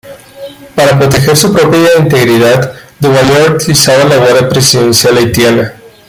Para proteger su propia integridad, Duvalier utilizaba la Guardia Presidencial haitiana.